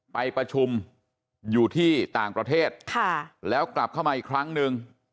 ไปประชุมอยู่ที่ต่างประเทศแล้วกลับเข้ามาอีกครั้งหนึ่ง